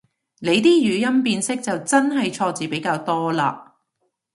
你啲語音辨識就真係錯字比較多嘞